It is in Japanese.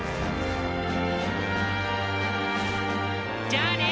じゃあね！